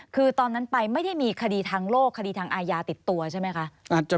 คือตอนนั้นไปไม่ได้มีคดีทางโลกคดีทางอาญาติดตัวใช่ไหมคะ